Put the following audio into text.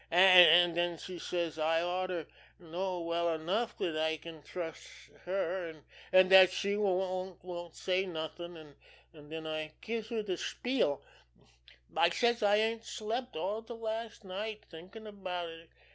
An' den she says I oughter know well enough dat I can trust her, an' dat she won't say nothin', an' den I gives her de spiel. I says I ain't slept all de last night thinkin' about it.